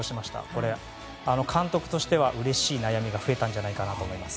これは監督としてはうれしい悩みが増えたんじゃないかなと思います。